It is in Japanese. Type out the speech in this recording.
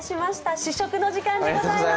試食の時間でございます。